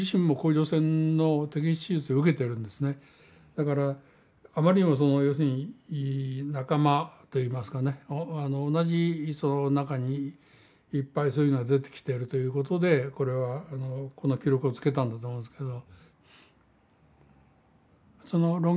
だからあまりにもその要するに仲間といいますかね同じその中にいっぱいそういうのが出てきてるということでこれはこの記録をつけたんだと思うんですけど。